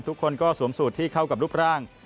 ทุกคนก็สวมสูตรที่เข้ากับรูปร่าง